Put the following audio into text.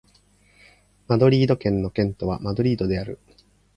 マドリード県の県都はマドリードである